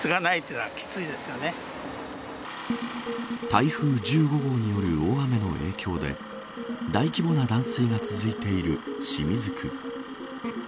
台風１５号による大雨の影響で大規模な断水が続いている清水区。